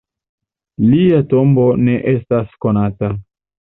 Lia tombo ne estas konata.